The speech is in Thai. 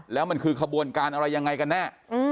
แล้วมันคือขบวนการอะไรยังไงกันแน่